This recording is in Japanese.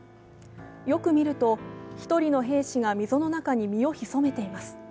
よく見ると、１人の兵士が溝の中に身を潜めています。